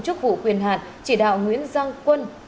chức vụ quyền hạn chỉ đạo nguyễn giang quân